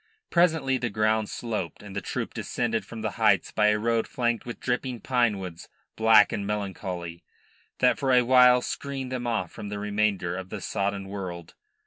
Presently the ground sloped, and the troop descended from the heights by a road flanked with dripping pinewoods, black and melancholy, that for a while screened them off from the remainder of the sodden world.